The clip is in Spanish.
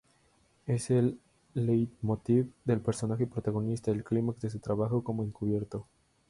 Es el "leitmotiv" del personaje protagonista, el clímax de su trabajo como encubierto.